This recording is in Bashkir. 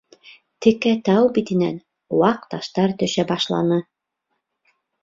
Текә тау битенән ваҡ таштар төшә башланы.